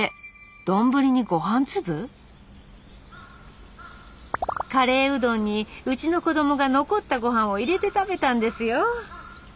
丼にごはん粒⁉「カレーうどんにうちの子供が残ったごはんを入れて食べたんですよ」。